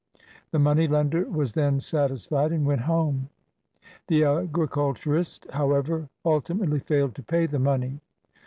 The money lender was then satisfied and went home. The agriculturist, however, ultimately failed lo pay the money.